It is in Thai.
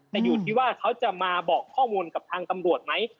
แต่อยู่ที่ว่าเขาจะมาบอกข้อมูลกับทางตำรวจไหม